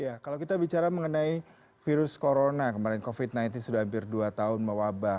ya kalau kita bicara mengenai virus corona kemarin covid sembilan belas sudah hampir dua tahun mewabah